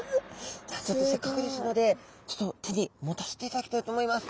じゃあちょっとせっかくですので手に持たせていただきたいと思います。